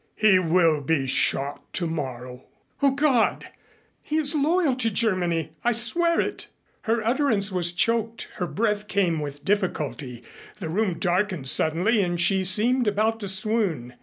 He will be shot tomorrow." "O God! He is loyal to Germany. I swear it." Her utterance was choked. Her breath came with difficulty. The room darkened suddenly and she seemed about to swoon.